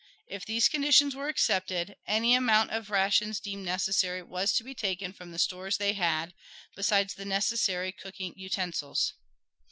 If these conditions were accepted, any amount of rations deemed necessary was to be taken from the stores they had, besides the necessary cooking utensils.